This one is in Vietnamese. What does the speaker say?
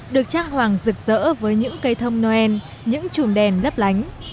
được trang hoàng rực rỡ với những cây thông noel những trùm đèn nấp lánh